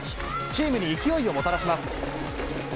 チームに勢いをもたらします。